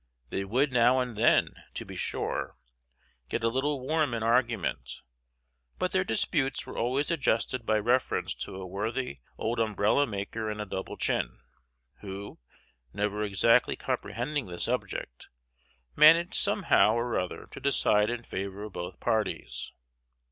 They would now and then, to be sure, get a little warm in argument; but their disputes were always adjusted by reference to a worthy old umbrella maker in a double chin, who, never exactly comprehending the subject, managed somehow or other to decide in favor of both parties.